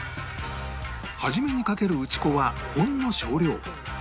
初めにかける打ち粉はほんの少量